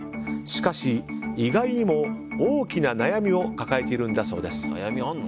しかし、意外にも大きな悩みを抱えているんだそうです。